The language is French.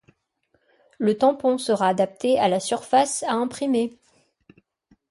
Le tampon sera adapté à la surface a imprimer.